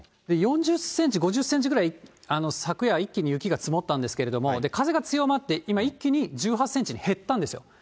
４０センチ、５０センチぐらい、昨夜一気に雪が積もったんですけれども、風が強まって、今、一気に１８センチに減ったんですよ。